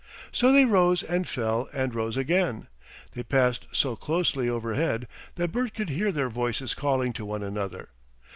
So they rose and fell and rose again. They passed so closely overhead that Bert could hear their voices calling to one another.